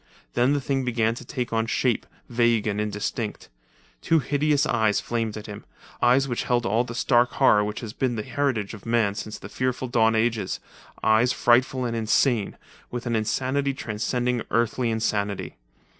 Then the thing began to take on shape, vague and indistinct. Two hideous eyes flamed at him—eyes which held all the stark horror which has been the heritage of man since the fearful dawn ages—eyes frightful and insane, with an insanity transcending earthly insanity.